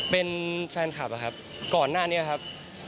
เป็นแฟนคลับอะครับก่อนหน้านี้ครับ